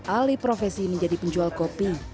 alih profesi menjadi penjual kopi